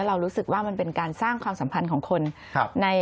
เรารู้สึกว่ามันเป็นการสร้างความสัมพันธ์ของคน